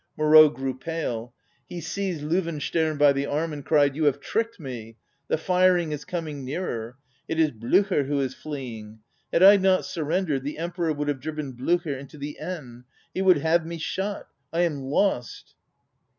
Moreau grew pale; he seized L├Čwen stern by the arm, and cried: "You have tricked me. The firing is com ing nearer. It is Bl├╝cher who is fleeing. Had I not surrendered the Emperor would have driven Bl├╝cher into the Aisne. He will have me shot. I am lost."